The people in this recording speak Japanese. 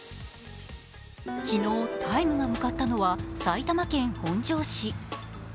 昨日、「ＴＩＭＥ，」が向かったのは埼玉県本庄市。